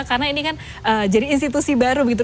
karena ini kan jadi institusi baru begitu